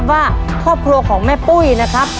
แต่เวลามันมาเกี่ยวข้องเนี่ยสิครับ